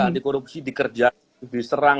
anti korupsi dikerja diserang